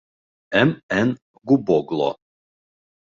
М. Н. Губогло.